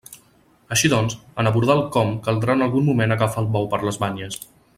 Així doncs, en abordar el «com» caldrà en algun moment agafar el bou per les banyes.